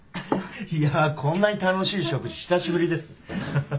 いやぁこんなに楽しい食事久しぶりです。